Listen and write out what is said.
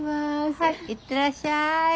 はい行ってらっしゃい。